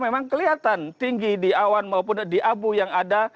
memang kelihatan tinggi di awan maupun di abu yang ada